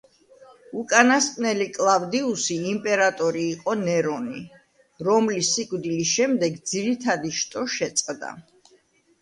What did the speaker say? უკანასკნელი კლავდიუსი იმპერატორი იყო ნერონი, რომლის სიკვდილის შემდეგ ძირითადი შტო შეწყდა.